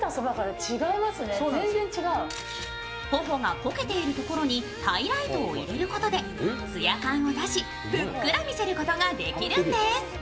頬がこけているところにハイライトを入れることで艶感を出し、ふっくら見せることができるんです。